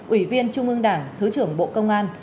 ủy viên trung ương đảng thứ trưởng bộ công an